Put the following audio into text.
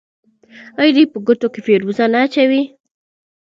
آیا دوی په ګوتو کې فیروزه نه اچوي؟